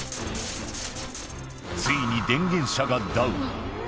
ついに電源車がダウン。